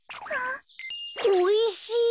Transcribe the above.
おいしい！